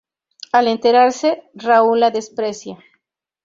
Al enterarse, Raúl la desprecia.